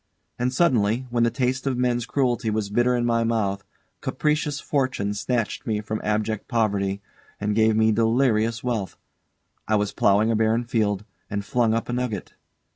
And suddenly, when the taste of men's cruelty was bitter in my mouth, capricious fortune snatched me from abject poverty and gave me delirious wealth. I was ploughing a barren field, and flung up a nugget.